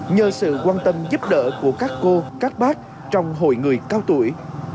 nhờ sự quan tâm giúp đỡ của các cô các bác trong hội người cao tuổi